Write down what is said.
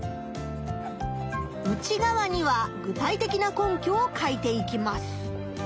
内がわには具体的な根拠を書いていきます。